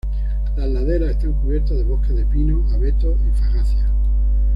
Las laderas están cubiertas de bosques de pinos, abetos y fagáceas.